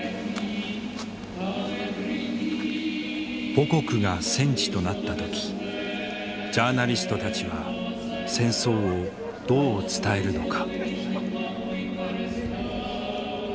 母国が戦地となった時ジャーナリストたちは戦争をどう伝えるのか。